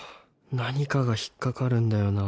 何かが引っ掛かるんだよな